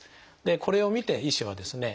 これを見て医師はですね